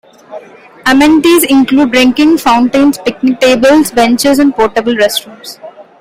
Amenities include drinking fountains, picnic tables, benches, and portable restrooms.